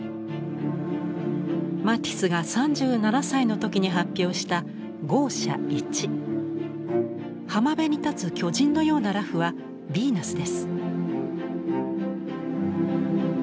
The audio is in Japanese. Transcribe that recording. マティスが３７歳の時に発表した浜辺に立つ巨人のような裸婦はヴィーナスです。